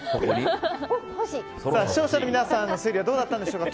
視聴者の皆さんの推理はどうだったんでしょうか。